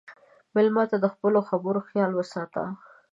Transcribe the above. مېلمه ته د خپلو خبرو خیال وساته.